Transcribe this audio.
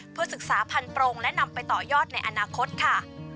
เพื่อศึกษาพันธรงและนำไปต่อยอดในอนาคตค่ะ